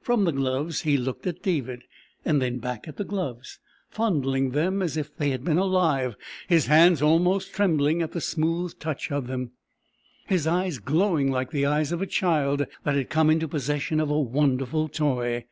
From the gloves he looked at David, and then back at the gloves, fondling them as if they had been alive, his hands almost trembling at the smooth touch of them, his eyes glowing like the eyes of a child that had come into possession of a wonderful toy.